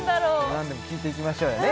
何でも聞いていきましょうよね